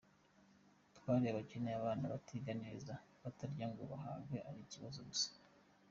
Twari abakene, abana batiga neza, batarya ngo bahage ari ibibazo gusa”.